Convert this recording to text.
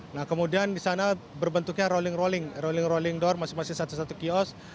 nah kemudian di sana berbentuknya rolling rolling rolling rolling door masing masing satu satu kios